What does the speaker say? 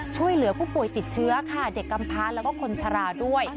ช่วยเหลือผู้ป่วยติดเชื้อค่ะเด็กกำพาแล้วก็คนชราด้วย